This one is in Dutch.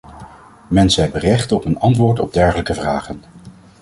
Mensen hebben recht op een antwoord op dergelijke vragen.